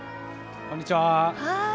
こんにちは。